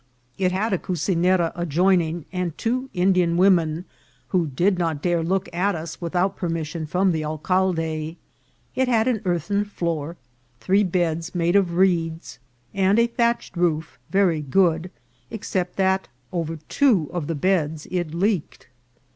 It had a cucinera ad joining, and two Indian women, who did not dare look at us without permission from the alcalde. It had an earthen floor, three beds made of reeds, and a thatched roof, very good, except that over two of the beds it leaked.